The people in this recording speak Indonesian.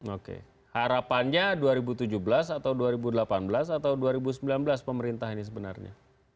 oke harapannya dua ribu tujuh belas atau dua ribu delapan belas atau dua ribu sembilan belas pemerintah ini sebenarnya